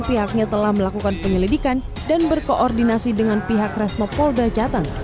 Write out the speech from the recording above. pihaknya telah melakukan penyelidikan dan berkoordinasi dengan pihak resmo polda jateng